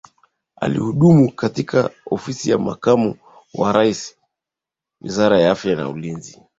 Alihudumu katika Ofisi ya Makamu wa Rais Wizara ya Afya na Ulinzi